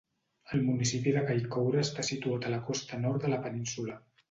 El municipi de Kaikoura està situat a la costa nord de la península.